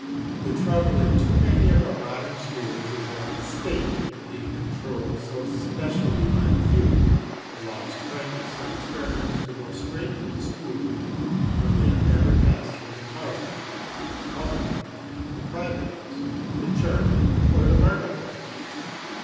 The trouble in too many of our modern schools is that the State, being controlled so specially by the few, allows cranks and experiments to go straight to the schoolroom when they have never passed through the Parliament, the public house, the private house, the church, or the marketplace.